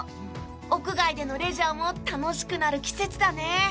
屋外でのレジャーも楽しくなる季節だね。